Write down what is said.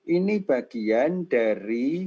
ini bagian dari